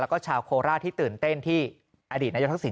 แล้วก็ชาวโคราชที่ตื่นเต้นที่อดีตนายกทักษณ